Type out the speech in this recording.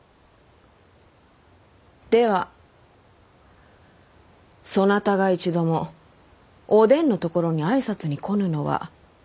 ではそなたが一度もお伝のところに挨拶に来ぬのは？